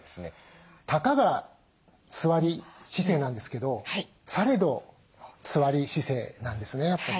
たかが座り姿勢なんですけどされど座り姿勢なんですねやっぱり。